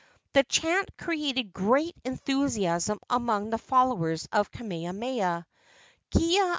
The chant created great enthusiasm among the followers of Kamehameha.